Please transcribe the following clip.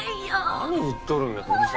何言っとるんやさ